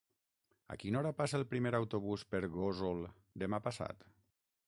A quina hora passa el primer autobús per Gósol demà passat?